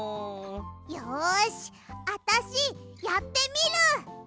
よしあたしやってみる！